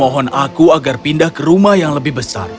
mohon aku agar pindah ke rumah yang lebih besar